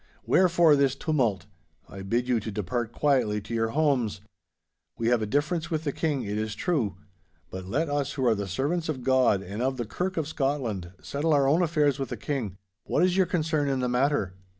Wherefore this tumult? I bid you to depart quietly to your homes. We have a difference with the King, it is true; but let us who are the servants of God and of the Kirk of Scotland settle our own affairs with the King. What is your concern in the matter?